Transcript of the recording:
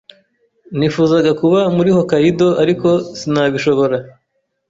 Nifuzaga kuba muri Hokkaido, ariko sinabishobora.